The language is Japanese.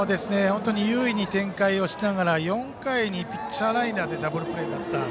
本当に優位にゲームをしながら４回にピッチャーライナーでダブルプレーになった。